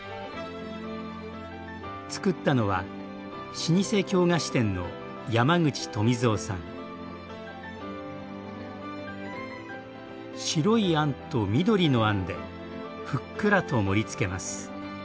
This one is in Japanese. つくったのは老舗京菓子店の白いあんと緑のあんでふっくらと盛りつけます。